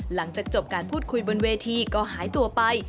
หลังจากจบการพูดคุยบนเวทีก็หายตัวไป